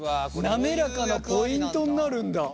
滑らかなポイントになるんだ。